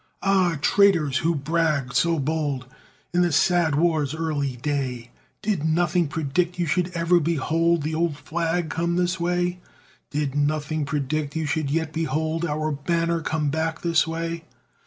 Ah, traitors! who bragged so bold In the sad war's early day, Did nothing predict you should ever behold The Old Flag come this way? Did nothing predict you should yet behold Our banner come back this way?